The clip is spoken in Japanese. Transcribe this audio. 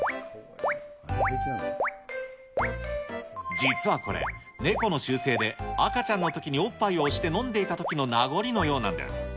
実はこれ、ネコの習性で、赤ちゃんのときにおっぱいを押して飲んでいたときの名残のようなんです。